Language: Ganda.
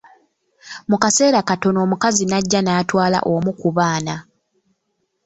Mu kaseera katono, omukazi n'ajja n'atwala omu ku baana.